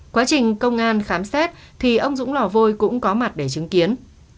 quá trình công an khám xét thì ông dũng lò vôi cũng có mặt để chứng kiến